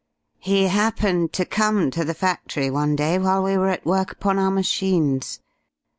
"He happened to come to the factory one day while we were at work upon our machines.